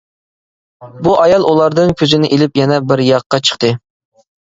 بۇ ئايال ئۇلاردىن كۆزىنى ئىلىپ يەنە بىر ياققا چىقتى.